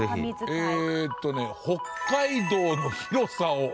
えっとね北海道の広さをなめんなよ！